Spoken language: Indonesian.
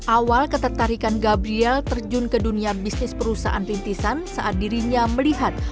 awal ketertarikan gabriel terjun ke dunia bisnis perusahaan rintisan saat dirinya melihat